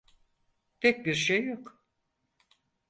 Pek bir şey yok.